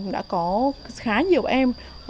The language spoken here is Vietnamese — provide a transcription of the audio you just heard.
đã có khá nhiều em